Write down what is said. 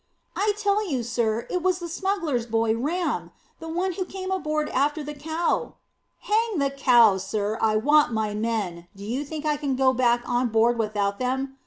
"I tell you, sir, it was the smuggler's boy, Ram, the one who came aboard after the cow." "Hang the cow, sir! I want my men. Do you think I can go back on board without them.